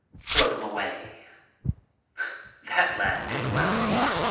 " Throw them away." That lad did well.